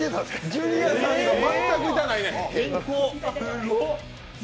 ジュニアさんが全く痛ないねん！